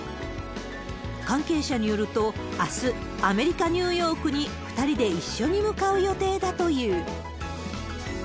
関係者によると、あす、アメリカ・ニューヨークに２人で一緒に向かう予定だという。